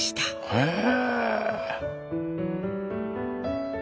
へえ！